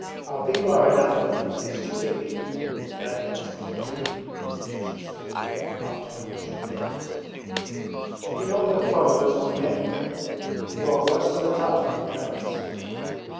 Our people are anathema people; stupid people,' Daddy Eroshka continued in a confidential tone after Vanyusha had gone out. 'They do not look upon you as on men, you are worse than a Tartar in their eyes.